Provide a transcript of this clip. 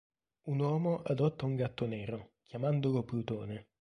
Un uomo adotta un gatto nero chiamandolo Plutone.